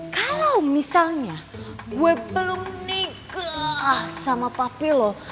kalau misalnya gue belum nikah sama papi loh